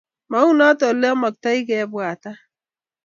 maunoto olamaktoi kebwata